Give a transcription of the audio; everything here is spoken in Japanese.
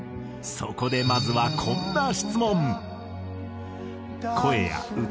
そこでまずはこんな質問。